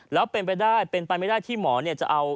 แล้วเป็นไปได้เป็นไปไม่ได้ที่หมอจะเอา